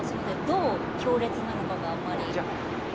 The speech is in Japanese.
どう強烈なのかがあんまり分からない。